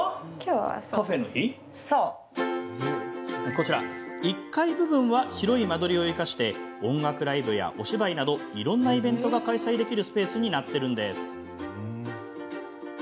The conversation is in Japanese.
こちら、１階部分は広い間取りを生かして音楽ライブやお芝居などいろんなイベントが開催できるスペースになってるんです。